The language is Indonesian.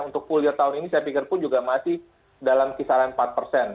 untuk full year tahun ini saya pikir pun juga masih dalam kisaran empat persen